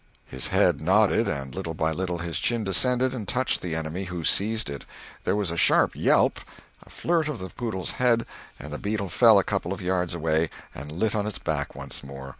His head nodded, and little by little his chin descended and touched the enemy, who seized it. There was a sharp yelp, a flirt of the poodle's head, and the beetle fell a couple of yards away, and lit on its back once more.